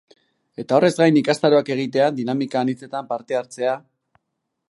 Eta horrez gain ikastaroak egitea, dinamika anitzetan parte hartzea...